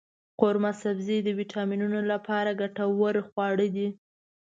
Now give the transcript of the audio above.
قورمه سبزي د ویټامینونو لپاره ګټور خواړه دی.